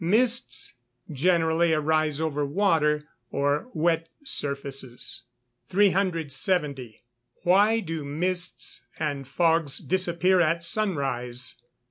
Mists generally arise over water, or wet surfaces. 370. _Why do mists and fogs disappear at sunrise?